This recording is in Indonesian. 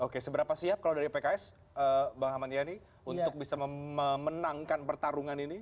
oke seberapa siap kalau dari pks bang ahmad yani untuk bisa memenangkan pertarungan ini